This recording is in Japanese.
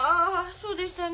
そうでしたね。